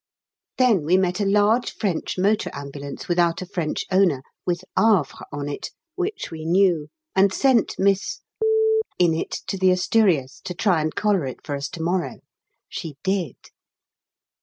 Then we met a large French motor ambulance without a French owner, with "Havre" on it, which we knew, and sent Miss in it to the Asturias to try and collar it for us to morrow. She did.